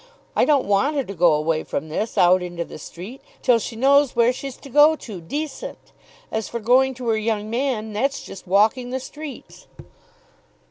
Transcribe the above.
I don't want her to go away from this, out into the street, till she knows where she's to go to, decent. As for going to her young man, that's just walking the streets."